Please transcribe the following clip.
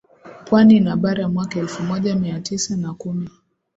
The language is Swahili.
Pwani na Bara mwaka elfumoja miatisa na kumi